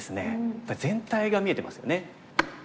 やっぱり全体が見えてますよね。